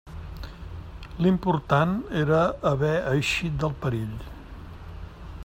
L'important era haver eixit del perill.